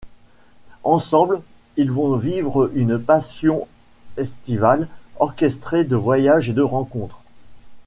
Ensemble ils vont vivre une passion estivale orchestrée de voyages et de rencontres.